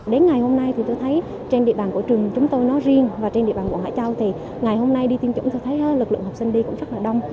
đến ngày hôm nay thì tôi thấy trên địa bàn của trường chúng tôi nói riêng và trên địa bàn quận hải châu thì ngày hôm nay đi tiêm chủng tôi thấy lực lượng học sinh đi cũng rất là đông